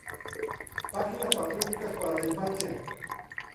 Páginas patrióticas para la infancia".